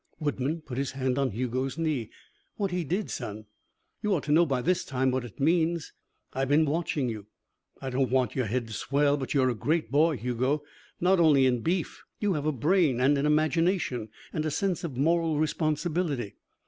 Woodman put his hand on Hugo's knee. "What he did, son. You ought to know by this time what it means. I've been watching you. I don't want your head to swell, but you're a great boy, Hugo. Not only in beef. You have a brain and an imagination and a sense of moral responsibility.